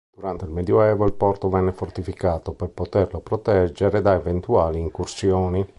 Durante il Medioevo il porto venne fortificato per poterlo proteggere da eventuali incursioni.